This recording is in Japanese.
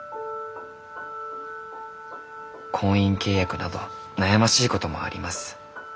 「婚姻契約など悩ましいこともあります。